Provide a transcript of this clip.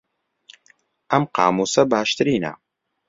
ئەم قامووسە باشترینە.